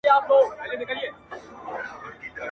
بس چي هر څومره زړېږم دغه سِر را معلومیږي-